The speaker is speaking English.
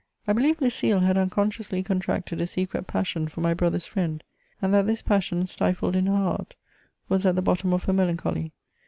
I believe Lucile had unconsciously contracted a secret passion for my brother's friend, and that this passion, stifled in her heart, was at the bottom of her melancholy.